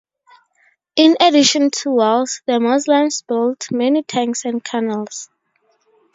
In addition to wells, the Muslims built many tanks and canals.